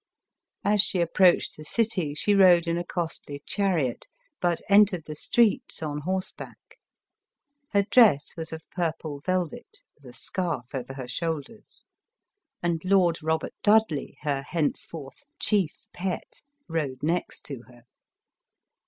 As she approached the city she rode in a costly chariot, but entered the streets on horseback. Her dress was of purple velvet, with a scarf over her shoulders; and Lord Robert Dudley, her henceforth chief pet, rode next to her.